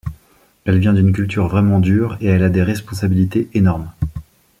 Elle vient d'une culture vraiment dure et elle a des responsabilités énormes.